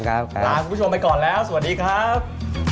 ลาคุณผู้ชมไปก่อนแล้วสวัสดีครับ